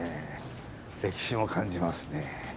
歴史も感じますね。